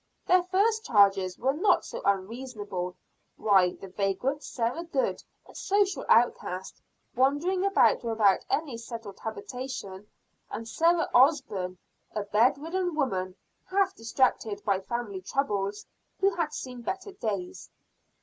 Their first charges were not so unreasonable. Why, the vagrant Sarah Good, a social outcast, wandering about without any settled habitation; and Sarah Osburn, a bed ridden woman, half distracted by family troubles who had seen better days.